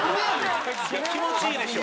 気持ちいいでしょ？